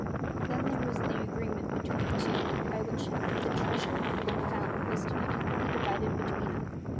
"Then there was the agreement between the two, by which the treasure when found was to be equally divided between 'em.